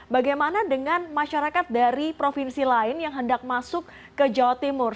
bagaimana dengan masyarakat dari provinsi lain yang hendak masuk ke jawa timur